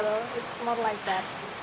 lebih seperti itu